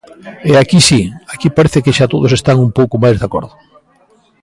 E aquí si, aquí parece que xa todos están un pouco máis de acordo.